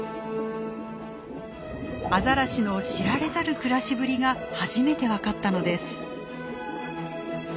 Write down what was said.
アザラシの知られざる暮らしぶりが初めて分かったのです。